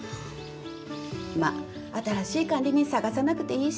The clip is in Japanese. まあ新しい管理人探さなくていいし。